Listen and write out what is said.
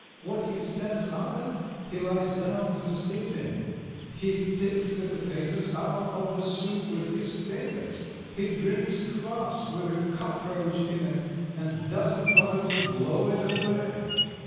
What he stands up in, he lies down to sleep in; he picks the potatoes out of the soup with his fingers; he drinks kvass with a cockroach in it, and doesn't bother to blow it away!"